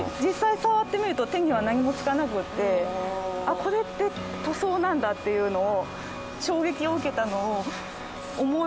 あっこれって塗装なんだっていうのを。